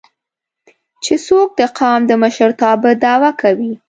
چې څوک د قام د مشرتابه دعوه کوي